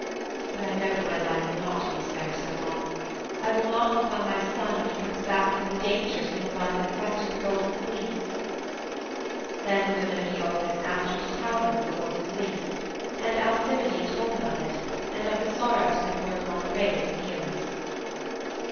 But I know that my life will not be spared so long; I will not look on my son when he comes back from the dangers he will run in the quest of the Golden Fleece." Then the women of Iolcus asked her to tell them of the Golden Fleece, and Alcimide told them of it and of the sorrows that were upon the race of Aeolus.